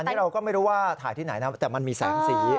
อันนี้เราก็ไม่รู้ว่าถ่ายที่ไหนนะแต่มันมีแสงสี